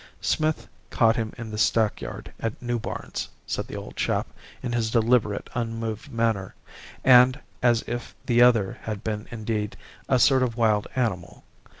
"'Smith caught him in the stackyard at New Barns,' said the old chap in his deliberate, unmoved manner, and as if the other had been indeed a sort of wild animal.